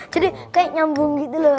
jadi kayak nyambung gitu lho